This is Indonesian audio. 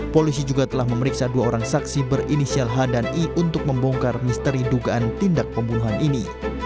polisi juga telah memeriksa dua orang saksi berinisial h dan i untuk membongkar misteri dugaan tindak pembunuhan ini